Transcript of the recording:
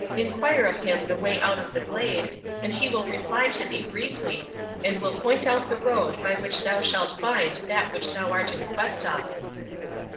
Inquire of him the way out of the glade, and he will reply to thee briefly, and will point out the road by which thou shalt find that which thou art in quest of.'